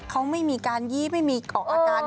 เขาไม่มีการยี้ไม่มีเกาะอาการ